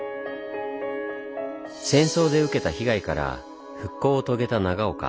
戦争で受けた被害から復興を遂げた長岡。